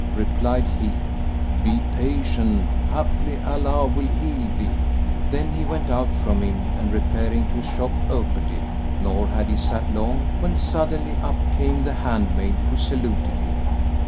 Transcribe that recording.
Replied he, "Be patient, haply Allah will heal thee!" Then he went out from him and repairing to his shop opened it, nor had he sat long, when suddenly up came the handmaid who saluted him.